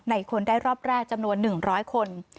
คนได้รอบแรกจำนวน๑๐๐คน